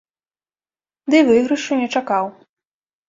Дый выйгрышу не чакаў.